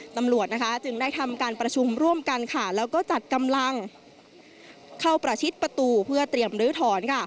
ตำรวจจึงได้ทำการประชุมร่วมกันแล้วก็จัดกำลังเข้าประชิดประตูเพื่อเตรียมลื้อถอน